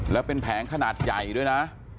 แล้วเป็นแผงขนาดใหญ่ด้วยนะ